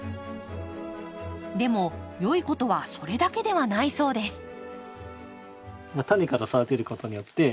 でも良いことはそれだけではないそうです。